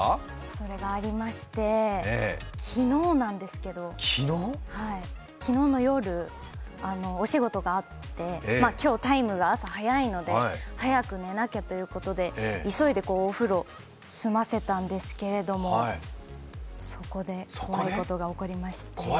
それがありまして、昨日なんですけど、昨日の夜、お仕事があって今日「ＴＩＭＥ，」が朝早いので早く寝なきゃということで急いでお風呂済ませたんですけれどもそこで、怖いことが起こりまして。